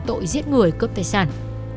tội giết người cướp tài sản